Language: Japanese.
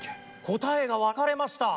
答えが分かれました。